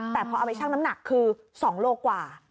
แต่พอเอาไปชั่งน้ำหนักคือ๒โลกว่า